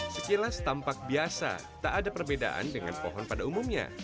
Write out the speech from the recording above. sekilas tampak biasa tak ada perbedaan dengan pohon pada umumnya